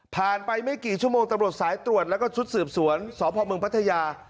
ไปไม่กี่ชั่วโมงตำรวจสายตรวจแล้วก็ชุดสืบสวนสพเมืองพัทยา